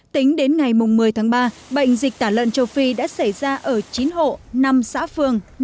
tính đến ngày một mươi tháng ba bệnh dịch tả lợn châu phi đã xảy ra ở chín hộ năm xã phường